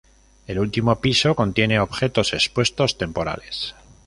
El último piso contiene objetos expuestos temporales.